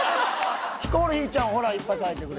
ヒコロヒーちゃんほらいっぱい書いてくれてる。